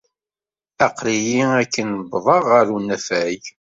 Aql-iyi akken wwḍeɣ ɣer ur anafag.